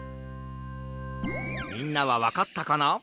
みんなはわかったかな？